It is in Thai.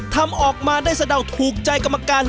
ทำออกมาได้สะเดาถูกใจกรรมการ